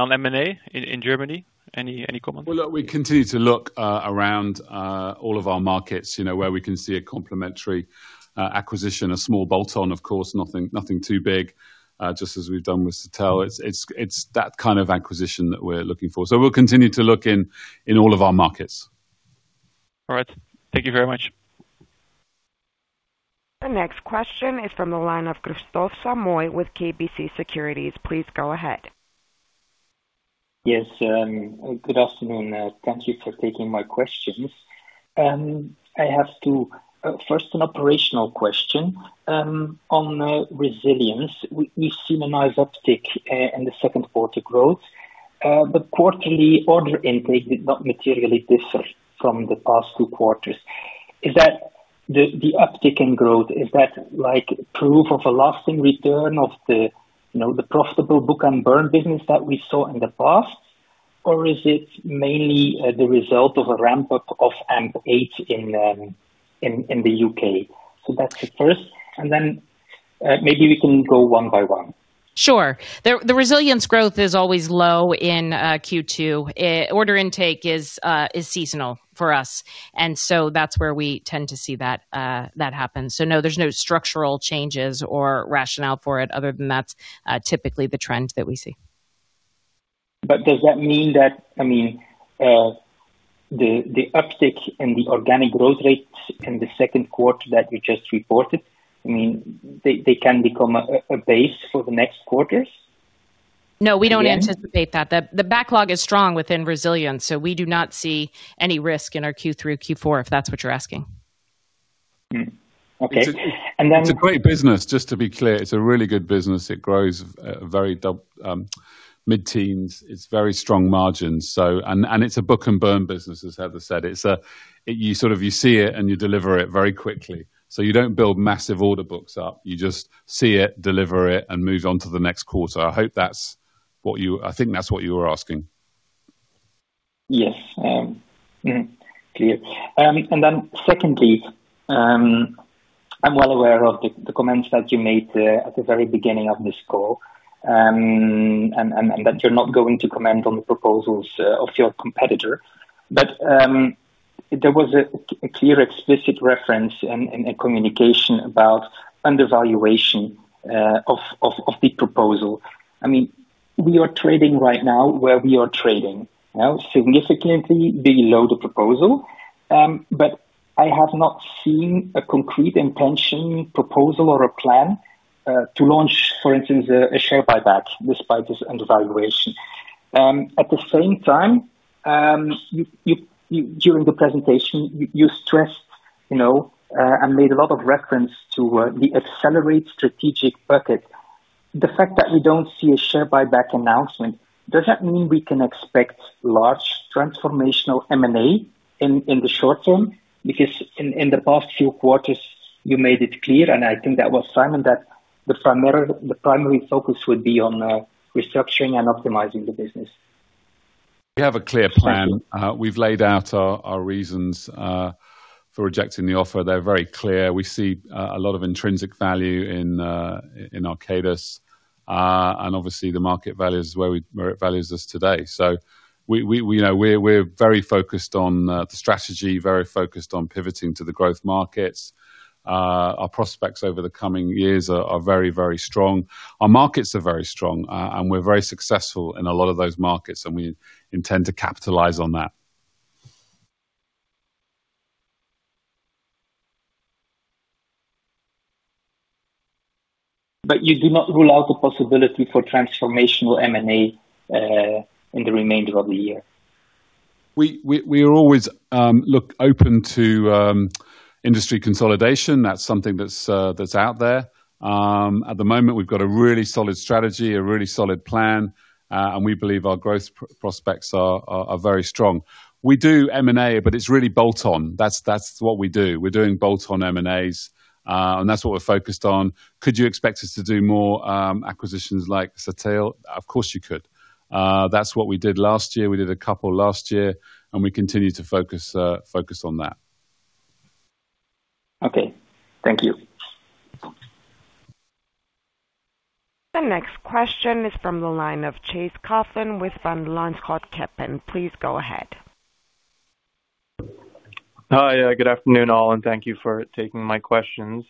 On M&A in Germany, any comment? Well, look, we continue to look around all of our markets, where we can see a complementary acquisition, a small bolt-on, of course, nothing too big, just as we've done with SATEL. It's that kind of acquisition that we're looking for. We'll continue to look in all of our markets. All right. Thank you very much. The next question is from the line of Kristof Samoy with KBC Securities. Please go ahead. Yes. Good afternoon. Thank you for taking my questions. I have first an operational question. On Resilience, we've seen a nice uptick in the second quarter growth, but quarterly order intake did not materially differ from the past two quarters. Is the uptick in growth, is that proof of a lasting return of the profitable book-and-burn business that we saw in the past, or is it mainly the result of a ramp-up of AMP8 in the U.K.? That's the first, and then maybe we can go one by one. Sure. The Resilience growth is always low in Q2. Order intake is seasonal for us, and so that's where we tend to see that happen. No, there's no structural changes or rationale for it other than that's typically the trend that we see. Does that mean that the uptick in the organic growth rates in the second quarter that you just reported, they can become a base for the next quarters? No, we don't anticipate that. The backlog is strong within Resilience, so we do not see any risk in our Q3, Q4, if that's what you're asking. It's a great business. Just to be clear, it's a really good business. It grows very mid-teens. It's very strong margins. It's a book-and-burn business, as Heather said. You see it and you deliver it very quickly. You don't build massive order books up. You just see it, deliver it, and move on to the next quarter. I think that's what you were asking. Secondly, I'm well aware of the comments that you made at the very beginning of this call, and that you're not going to comment on the proposals of your competitor. There was a clear explicit reference and a communication about undervaluation of the proposal. We are trading right now where we are trading, significantly below the proposal. I have not seen a concrete intention proposal or a plan to launch, for instance, a share buyback despite this undervaluation. At the same time, during the presentation, you stressed and made a lot of reference to the accelerate strategic bucket. The fact that we don't see a share buyback announcement, does that mean we can expect large transformational M&A in the short term? In the past few quarters, you made it clear, and I think that was Simon, that the primary focus would be on restructuring and optimizing the business. We have a clear plan. We've laid out our reasons for rejecting the offer. They're very clear. We see a lot of intrinsic value in Arcadis. Obviously, the market values where it values us today. We're very focused on the strategy, very focused on pivoting to the growth markets. Our prospects over the coming years are very, very strong. Our markets are very strong, and we're very successful in a lot of those markets, and we intend to capitalize on that. You do not rule out the possibility for transformational M&A in the remainder of the year? We are always open to industry consolidation. That's something that's out there. At the moment, we've got a really solid strategy, a really solid plan, and we believe our growth prospects are very strong. We do M&A, but it's really bolt-on. That's what we do. We're doing bolt-on M&As, and that's what we're focused on. Could you expect us to do more acquisitions like SATEL? Of course, you could. That's what we did last year. We did a couple last year, and we continue to focus on that. Okay. Thank you. The next question is from the line of Chase Coughlan with Van Lanschot Kempen. Please go ahead. Hi. Good afternoon, all, and thank you for taking my questions.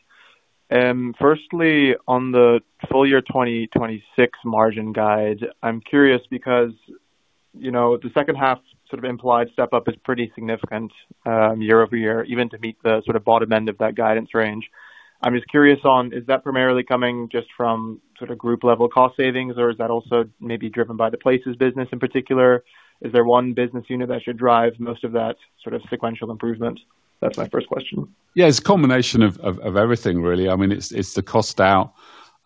Firstly, on the full year 2026 margin guide, I'm curious because the second half implied step-up is pretty significant year-over-year, even to meet the bottom end of that guidance range. I'm just curious on, is that primarily coming just from group-level cost savings, or is that also maybe driven by the Places business in particular? Is there one business unit that should drive most of that sequential improvement? That's my first question. Yeah, it's a combination of everything, really. It's the cost out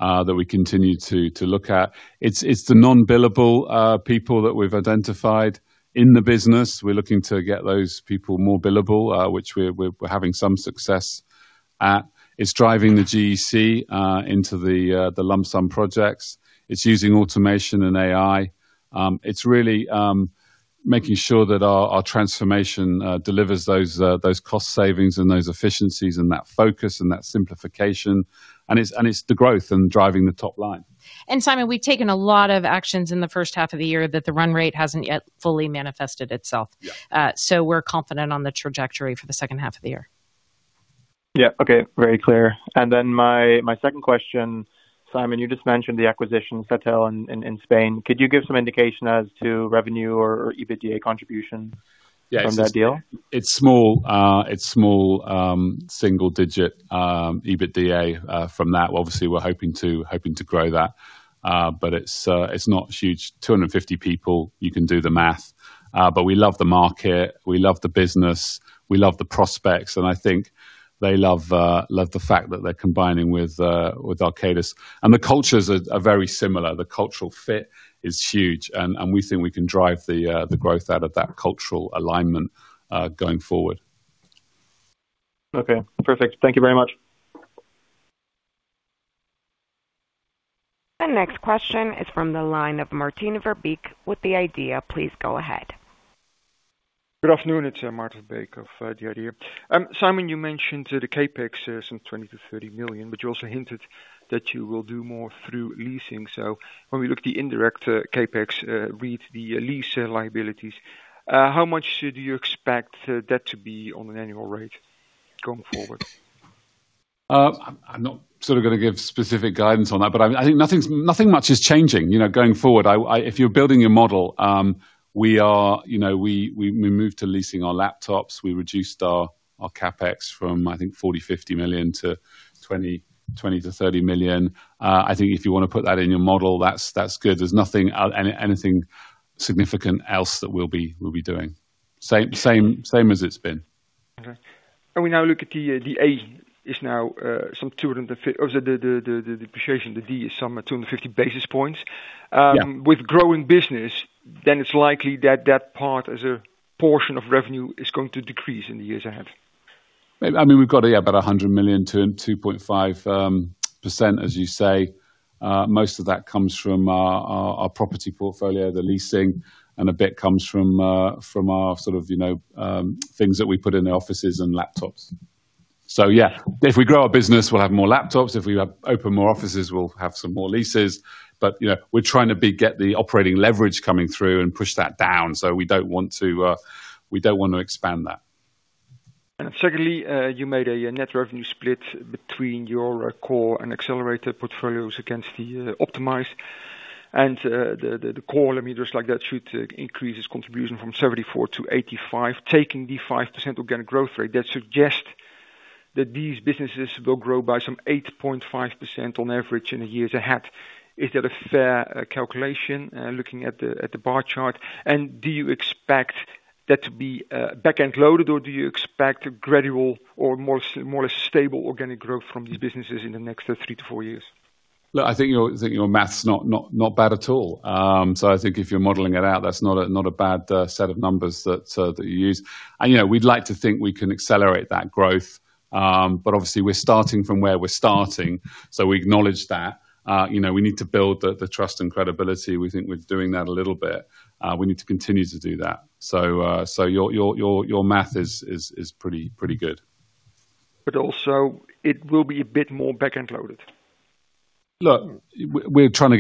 that we continue to look at. It's the non-billable people that we've identified in the business. We're looking to get those people more billable, which we're having some success at. It's driving the GEC into the lump sum projects. It's using automation and AI. It's really making sure that our transformation delivers those cost savings and those efficiencies and that focus and that simplification, and it's the growth and driving the top line. Simon, we've taken a lot of actions in the first half of the year that the run rate hasn't yet fully manifested itself. We're confident on the trajectory for the second half of the year. Yeah. Okay, very clear. My second question, Simon, you just mentioned the acquisition SATEL in Spain. Could you give some indication as to revenue or EBITDA contribution from that deal? Yeah. It's small. It's small single-digit EBITA from that. Obviously, we're hoping to grow that, but it's not huge. 250 people, you can do the math. We love the market, we love the business, we love the prospects, and I think they love the fact that they're combining with Arcadis. The cultures are very similar. The cultural fit is huge, and we think we can drive the growth out of that cultural alignment going forward. Okay, perfect. Thank you very much. The next question is from the line of Maarten Verbeek with The IDEA!. Please go ahead. Good afternoon, it's Maarten Verbeek of The IDEA!. Simon, you mentioned the CapEx, some 20 million-30 million, but you also hinted that you will do more through leasing. When we look at the indirect CapEx, read the lease liabilities, how much do you expect that to be on an annual rate going forward? I'm not going to give specific guidance on that. I think nothing much is changing, going forward. If you're building your model, we moved to leasing our laptops. We reduced our CapEx from, I think, 40 million-50 million to 20 million-30 million. I think if you want to put that in your model, that's good. There's nothing significant else that we'll be doing. Same as it's been. Okay. We now look at the depreciation, the D is some 250 basis points. With growing business, it's likely that part as a portion of revenue is going to decrease in the years ahead? We've got about 100 million, 2.5%, as you say. Most of that comes from our property portfolio, the leasing, and a bit comes from our things that we put in the offices and laptops. Yeah, if we grow our business, we'll have more laptops. If we open more offices, we'll have some more leases. We're trying to get the operating leverage coming through and push that down. We don't want to expand that. Secondly, you made a net revenue split between your core and accelerated portfolios against the optimized, and the core meters should increase its contribution from 74 to 85, taking the 5% organic growth rate. That suggests that these businesses will grow by some 8.5% on average in the years ahead. Is that a fair calculation, looking at the bar chart? Do you expect that to be back-end loaded, or do you expect a gradual or more or less stable organic growth from these businesses in the next three to four years? I think your math's not bad at all. I think if you're modeling it out, that's not a bad set of numbers that you use. We'd like to think we can accelerate that growth. Obviously, we're starting from where we're starting, so we acknowledge that. We need to build the trust and credibility. We think we're doing that a little bit. We need to continue to do that. Your math is pretty good. Also, it will be a bit more back-end loaded? We're trying to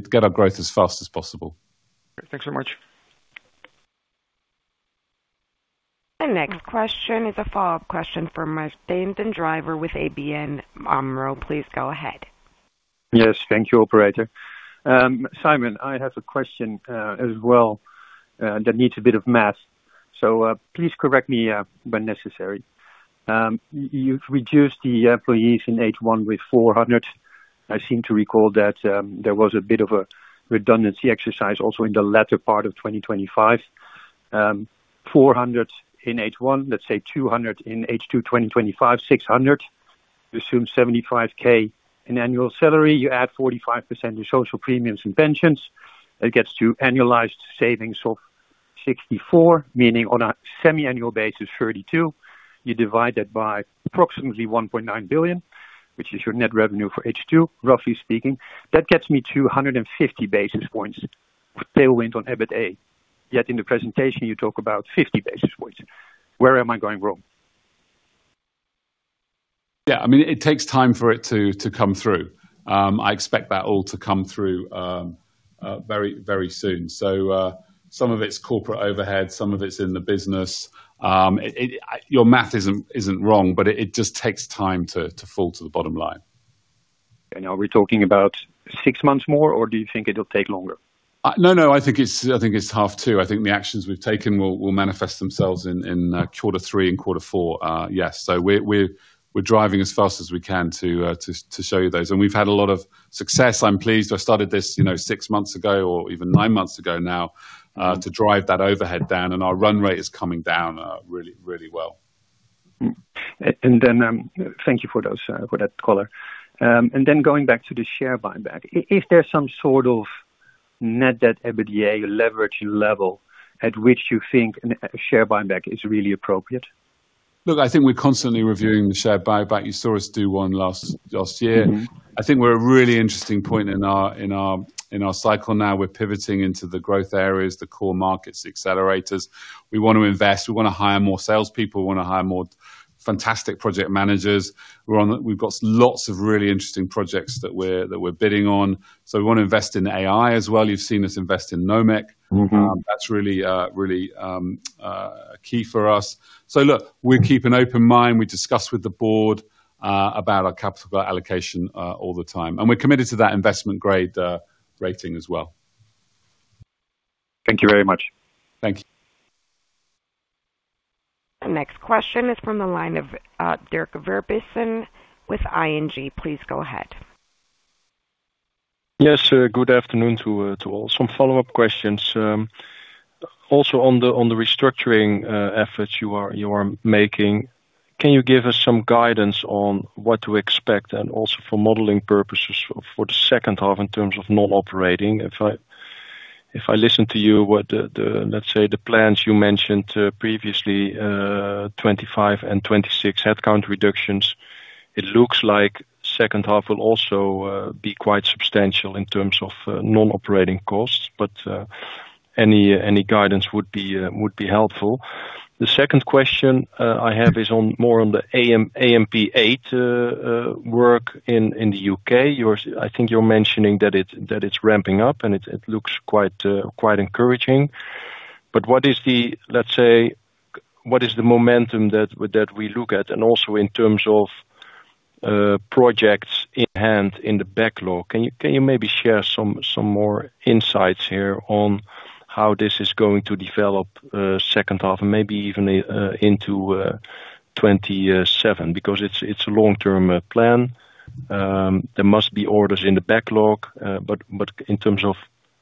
get our growth as fast as possible. Great. Thanks so much. The next question is a follow-up question from Martijn den Drijver with ABN AMRO. Please go ahead. Yes. Thank you, operator. Simon, I have a question as well that needs a bit of math, so please correct me when necessary. You've reduced the employees in H1 with 400. I seem to recall that there was a bit of a redundancy exercise also in the latter part of 2025. 400 in H1, let's say 200 in H2 2025, 600. You assume 75,000 in annual salary, you add 45% in social premiums and pensions. That gets to annualized savings of 64, meaning on a semi-annual basis, 32. You divide that by approximately 1.9 billion, which is your net revenue for H2, roughly speaking. That gets me to 250 basis points tailwind on EBITA. In the presentation, you talk about 50 basis points. Where am I going wrong? Yeah. It takes time for it to come through. I expect that all to come through very soon. Some of it's corporate overhead, some of it's in the business. Your math isn't wrong, but it just takes time to fall to the bottom line. Are we talking about six months more, or do you think it'll take longer? No, I think it's half two. I think the actions we've taken will manifest themselves in quarter three and quarter four. Yes. We're driving as fast as we can to show you those. We've had a lot of success. I'm pleased I started this six months ago or even nine months ago now to drive that overhead down, and our run rate is coming down really well. Thank you for that color. Going back to the share buyback, is there some sort of net debt EBITDA leverage level at which you think share buyback is really appropriate? Look, I think we're constantly reviewing the share buyback. You saw us do one last year. I think we're at a really interesting point in our cycle now. We're pivoting into the growth areas, the core markets, accelerators. We want to invest. We want to hire more salespeople. We want to hire more fantastic project managers. We've got lots of really interesting projects that we're bidding on. We want to invest in AI as well. You've seen us invest in Nomic. That's really key for us. Look, we keep an open mind. We discuss with the board about our capital allocation all the time, and we're committed to that investment-grade rating as well. Thank you very much. Thanks. The next question is from the line of Dirk Verbiesen with ING. Please go ahead. Yes, good afternoon to all. Some follow-up questions. Also on the restructuring efforts you are making, can you give us some guidance on what to expect and also for modeling purposes for the second half in terms of non-operating? If I listen to you, the plans you mentioned previously, 2025 and 2026 headcount reductions, it looks like second half will also be quite substantial in terms of non-operating costs. Any guidance would be helpful. The second question I have is more on the AMP8 work in the U.K. I think you're mentioning that it's ramping up and it looks quite encouraging. What is the momentum that we look at? In terms of projects in hand in the backlog, can you maybe share some more insights here on how this is going to develop second half and maybe even into 2027? Because it's a long-term plan. There must be orders in the backlog. In terms of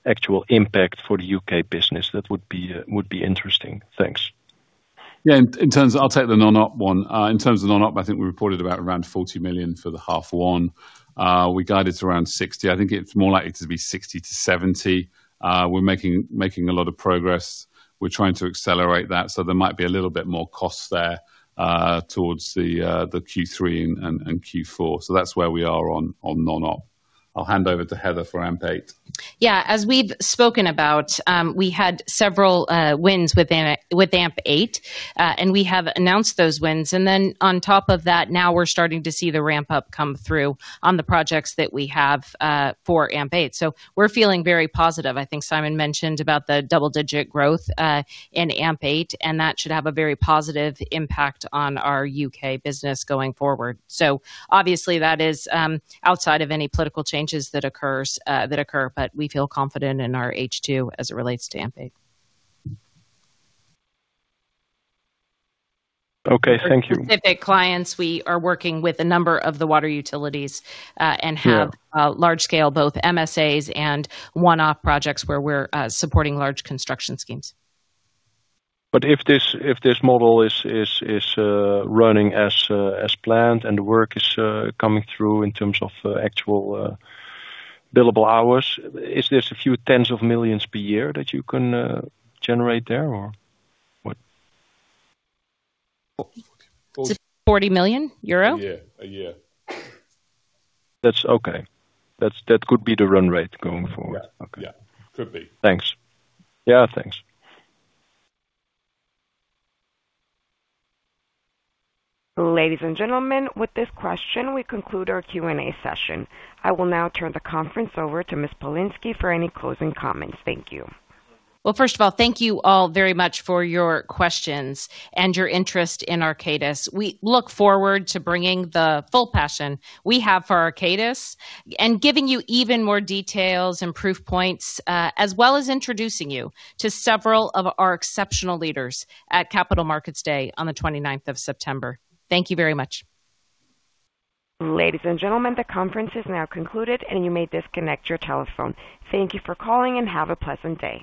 actual impact for the U.K. business, that would be interesting. Thanks. Yeah, I'll take the non-op one. In terms of non-op, I think we reported about around 40 million for the half one. We guided around 60 million. I think it's more likely to be 60 million to 70 million. We're making a lot of progress. We're trying to accelerate that, there might be a little bit more cost there towards the Q3 and Q4. That's where we are on non-op. I'll hand over to Heather for AMP8. Yeah. As we've spoken about, we had several wins with AMP8, and we have announced those wins. On top of that, now we're starting to see the ramp-up come through on the projects that we have for AMP8. We're feeling very positive. I think Simon mentioned about the double-digit growth in AMP8, and that should have a very positive impact on our U.K. business going forward. Obviously that is outside of any political changes that occur, but we feel confident in our H2 as it relates to AMP8. Okay, thank you. For specific clients, we are working with a number of the water utilities and have large scale, both MSAs and one-off projects where we're supporting large construction schemes. If this model is running as planned and the work is coming through in terms of actual billable hours, is this a few tens of millions per year that you can generate there? Or what? EUR 40 million. A year. That's okay. That could be the run rate going forward. Yeah. Okay. Could be. Thanks. Yeah, thanks. Ladies and gentlemen, with this question, we conclude our Q&A session. I will now turn the conference over to Ms. Polinsky for any closing comments. Thank you. Well, first of all, thank you all very much for your questions and your interest in Arcadis. We look forward to bringing the full passion we have for Arcadis and giving you even more details and proof points, as well as introducing you to several of our exceptional leaders at Capital Markets Day on the 29th of September. Thank you very much. Ladies and gentlemen, the conference is now concluded and you may disconnect your telephone. Thank you for calling and have a pleasant day.